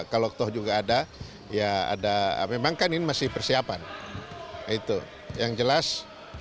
kalau toh juga ada ya ada memang kan ini masih persiapan itu yang jelas